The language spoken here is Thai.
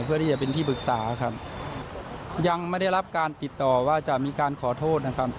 เพื่อที่จะเป็นที่ปรึกษาครับยังไม่ได้รับการติดต่อว่าจะมีการขอโทษนะครับ